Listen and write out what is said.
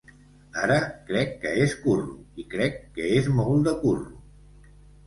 Ara, crec que és curro i crec que és molt de curro.